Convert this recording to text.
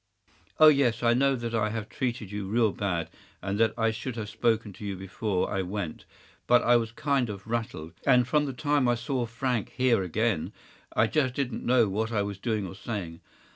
“Oh yes, I know that I have treated you real bad, and that I should have spoken to you before I went; but I was kind of rattled, and from the time when I saw Frank here again I just didn’t know what I was doing or saying.